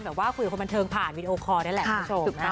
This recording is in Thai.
ว่าคุยกับคนบันเทิงผ่านวีดีโอคอลนั่นแหละคุณผู้ชม